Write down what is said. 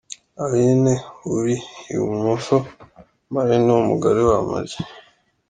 Aline uri i bumoso, Marraine w’umugore wa Ama G .